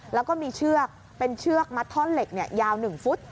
แล้วก็มีเชือกเป็นเชือกมัดท่อนเหล็กยาว๑ฟุต